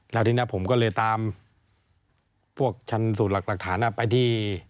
แล้วทีนี้ผมก็เลยตามพวกชันสูตรหลักฐานไปที่